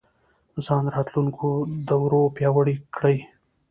ځان راتلونکو دورو پیاوړی کړي